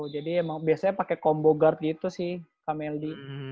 jadi emang biasanya pake combo guard gitu sih sama ld